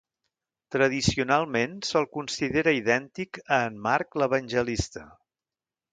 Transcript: Tradicionalment se'l considera idèntic a en Marc l'Evangelista.